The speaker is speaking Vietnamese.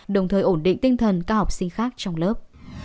đồng thời ổn định tinh thần các học sinh khác trong lớp